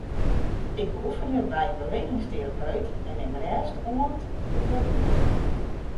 Ik oefenje by in bewegingsterapeut en nim rêst oant it wer giet.